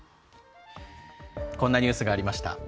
こんなニュースがありました。